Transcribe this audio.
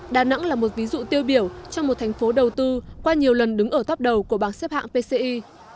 đà nẵng là một ví dụ tiêu biểu trong một thành phố đầu tư qua nhiều lần đứng ở top đầu của bảng xếp hạng pci